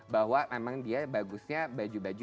bahwa memang dia bagusnya baju baju